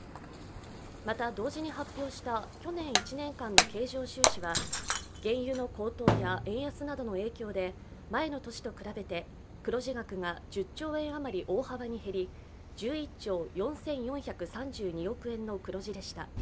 また同時に発表した去年１年間の経常収支は原油の高騰や円安などの影響で前の年と比べて黒字額が１０兆円余り大幅にヘリ１１兆４４３２億円の黒字でした。